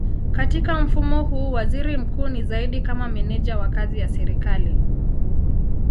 Katika mfumo huu waziri mkuu ni zaidi kama meneja wa kazi ya serikali.